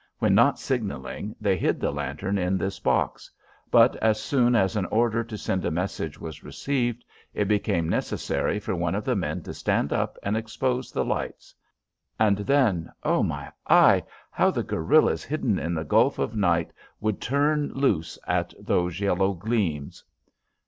When not signalling they hid the lanterns in this box; but as soon as an order to send a message was received, it became necessary for one of the men to stand up and expose the lights. And then oh, my eye how the guerillas hidden in the gulf of night would turn loose at those yellow gleams!